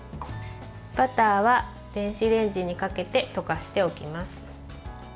バターは電子レンジにかけて溶かしておきます。